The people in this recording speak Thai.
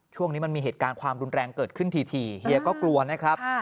ช่วงนี้มันมีเหตุการณ์ความรุนแรงเกิดขึ้นทีเฮียก็กลัวนะครับ